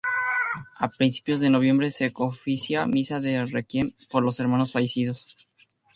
A principios de noviembre se oficia Misa de Requiem por los hermanos fallecidos.